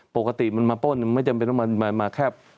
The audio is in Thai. ปกติมันมาป้นไม่จำเป็นว่ามันมาแคบ